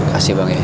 kasih bang ya